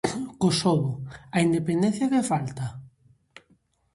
Kosovo: a independencia que falta?